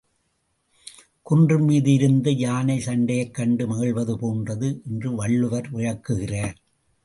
குன்றின்மீது இருந்து யானைச் சண்டையைக் கண்டு மகிழ்வது போன்றது என்று வள்ளுவர் விளக்குகிறார்.